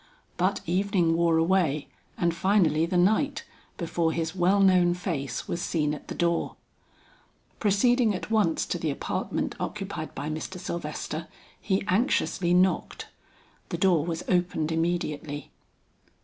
But evening wore away and finally the night, before his well known face was seen at the door. Proceeding at once to the apartment occupied by Mr. Sylvester, he anxiously knocked. The door was opened immediately.